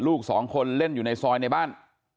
ลูกสองคนเล่นอยู่ในซอยในบ้าน